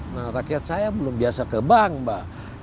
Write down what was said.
nah rakyat saya belum biasa ke bank mbak